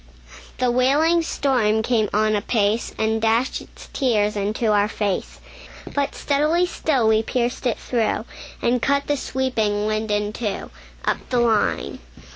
The wailing storm came on apace, And dashed its tears into our fade; But steadily still we pierced it through, And cut the sweeping wind in two, Up the line.